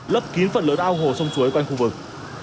lấp kín phần lớn ao hồ sông suối quanh khu vực